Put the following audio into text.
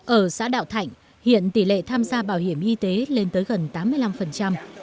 ở xã đạo thạnh hiện tỷ lệ tham gia bảo hiểm y tế lên tới gần tám mươi lăm phần trăm